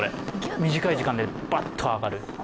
短い時間でバッと上がる。